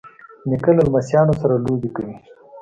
نیکه له لمسیانو سره لوبې کوي.